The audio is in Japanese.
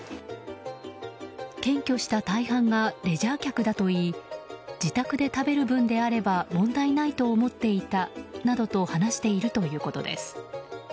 検挙した大半がレジャー客だといい自宅で食べる分であれば問題ないと思っていたなどと話しているということです。